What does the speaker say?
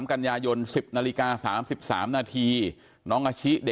โอ้โหโอ้โหโอ้โหโอ้โห